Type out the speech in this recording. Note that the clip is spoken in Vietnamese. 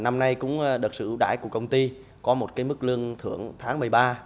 năm nay cũng được sự ưu đãi của công ty có một cái mức lương thưởng tháng một mươi ba